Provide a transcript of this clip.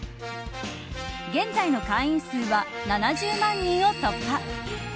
現在の会員数は７０万人を突破。